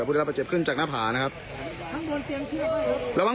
ได้ก่อนได้ก่อน